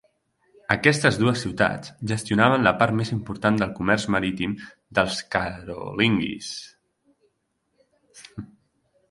Aquestes dues ciutats gestionaven la part més important del comerç marítim dels carolingis.